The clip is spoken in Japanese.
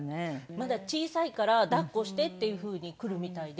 まだ小さいから抱っこしてっていうふうに来るみたいで。